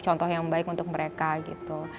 contoh yang baik untuk mereka gitu